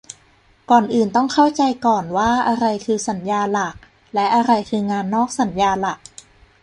ก่อนอื่นต้องเข้าใจก่อนว่าอะไรคือสัญญาหลัก และ อะไรคืองานนอกสัญญาหลัก